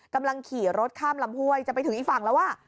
กำลังขี่รถข้ามลำห้วยจะไปถึงอีกฝั่งแล้ว